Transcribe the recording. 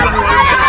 inilah yang terlihat